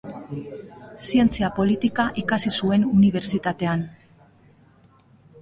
Zientzia politika ikasi zuen unibertsitatean.